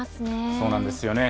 そうなんですよね。